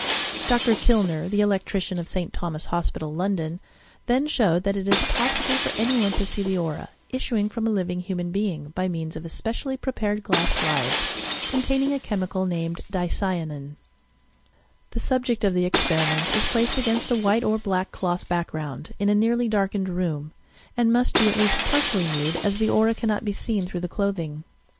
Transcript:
Dr. Kilner, the electrician of St. Thomas' Hospital, London, then showed that it is pos sible tor any one to see the aura, issuing from a living human being, by means of especially prepared glass slides, containing a chemical, named "Dieyanin, "^ The subject of the experiment is placed against a white or black cloth background, in a nearly darkened room, and must be at least partially nude, as the aura cannot be seen through the clothing.